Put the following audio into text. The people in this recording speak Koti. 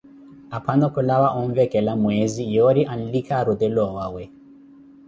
Aphano khulawa onvekela mweezi yoori anlikhe arutele owawe.